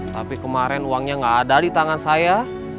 tapi kemarin uangnya nggak ada di tangan saya